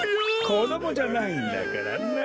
こどもじゃないんだからなっ。